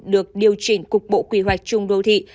được điều chỉnh cục bộ quy hoạch chung đô thị